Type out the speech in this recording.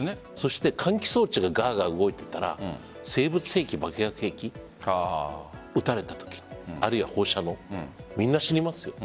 換気装置が動いていたら生物兵器、爆薬兵器撃たれたとき、あるいは放射能みんな死にますよ。